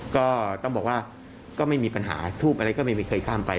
ก็ต้องบอกว่าก็ไม่มีปัญหาทูบอะไรก็ไม่มีใครข้ามไป